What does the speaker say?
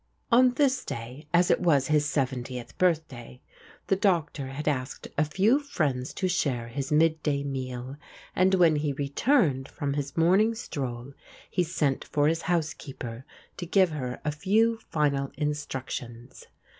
On this day, as it was his seventieth birthday, the Doctor had asked a few friends to share his mid day meal, and when he returned from his morning stroll he sent for his housekeeper to give her a few final instructions.